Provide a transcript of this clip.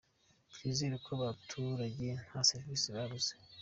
Twizera ko abaturage nta serivisi babuze.